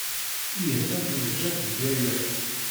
Iyyat ad tt-neǧǧ ad teg aya.